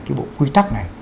cái bộ quy tắc này